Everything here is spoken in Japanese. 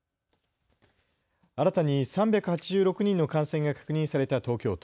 新たに３８６人の感染が確認された東京都。